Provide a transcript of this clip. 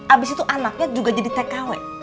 abis itu anaknya juga jadi tkw